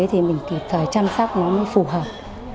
thì mình kịp thời chăm sóc nó mới phù hợp